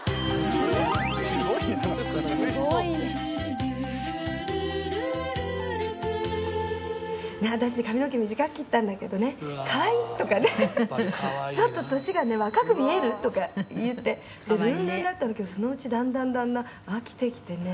いや私髪の毛短く切ったんだけどねかわいいとかねちょっと年がね若く見えるとか言ってルンルンだったんだけどそのうちだんだんだんだん飽きてきてね。